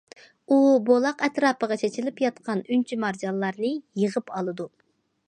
ئۇ بولاق ئەتراپىغا چېچىلىپ ياتقان ئۈنچە- مارجانلارنى يېغىپ ئالىدۇ.